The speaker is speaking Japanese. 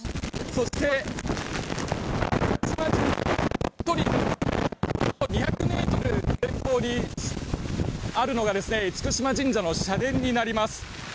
そして２００ｍ前方にあるのが厳島神社の社殿になります。